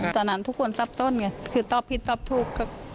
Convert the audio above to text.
ตอนนั้นทุกคนซับส้นไงคือตอบผิดตอบถูก